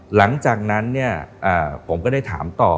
หลังจากนั้นเนี่ยผมก็ได้ถามต่อ